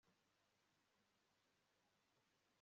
n ivuga ngo ese abapfuye bashobora